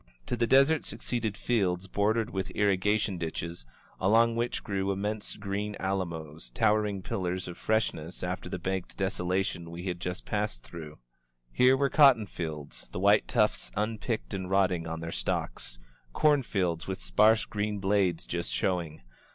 To the desert succeeded fields bordered with irrigation ditches, along which grew immense green alamos, tow ering pillars of freshness after the baked desolation we had just passed through. Here were cotton fields, the white tufts unpicked and rotting on their stalks; corn fields with sparse green blades just showing.